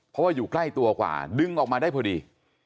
เพราะว่าอยู่ใกล้ตัวกว่าดึงออกมาได้พอดี